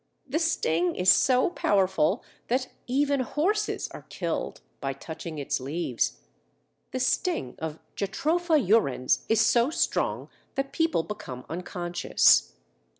The sting is so powerful that even horses are killed by touching its leaves. The sting of Jatropha urens is so strong that people become unconscious.